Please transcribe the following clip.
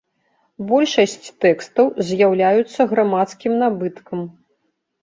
Большасць тэкстаў з'яўляюцца грамадскім набыткам.